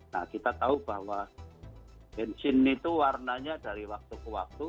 nah kita tahu bahwa bensin itu warnanya dari waktu ke waktu